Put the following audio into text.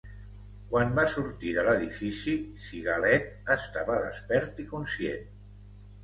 Quan va sortir de l'edifici, Sigalet estava despert i conscient.